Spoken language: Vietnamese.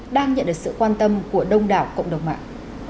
đang nhận được sự quan tâm của đông đảo cộng đồng mạng